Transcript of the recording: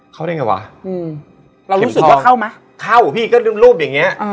เข้าพี่ก็รูปแบบนี้อืม